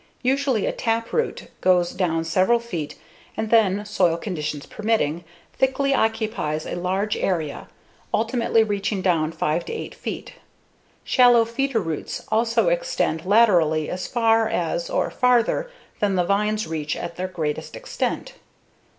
Usually a taproot goes down several feet and then, soil conditions permitting, thickly occupies a large area, ultimately reaching down 5 to 8 feet. Shallow feeder roots also extend laterally as far as or farther than the vines reach at their greatest extent.